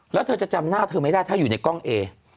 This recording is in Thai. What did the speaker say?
แล้วเธอจะจำหน้าเธอไม่ได้ถ้าอยู่ในกล้องเอ